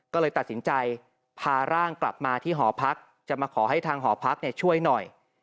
ก็เลยตัดสินใจพาร่างกลับมาที่หอพักจะมาขอให้ทางหอพักช่วยหน่อย